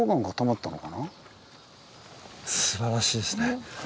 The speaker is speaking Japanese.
すばらしいですね。